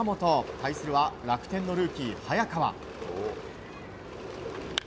対するは、楽天のルーキー早川。